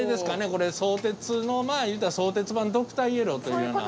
これ相鉄のまあいうたら相鉄版ドクターイエローというような。